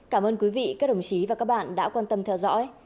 cảm ơn quý vị các đồng chí và các bạn đã quan tâm theo dõi